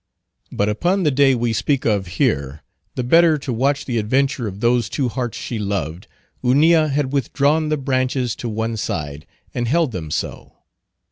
But upon the day we speak of here, the better to watch the adventure of those two hearts she loved, Hunilla had withdrawn the branches to one side, and held them so.